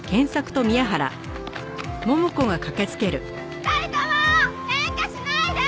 ２人とも喧嘩しないで！